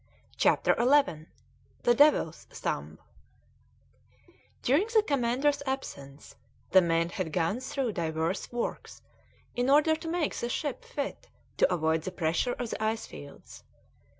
CHAPTER XI THE DEVIL'S THUMB During the commander's absence the men had gone through divers works in order to make the ship fit to avoid the pressure of the ice fields.